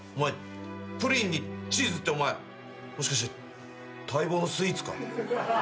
プリンにチーズってお前もしかして待望のスイーツか？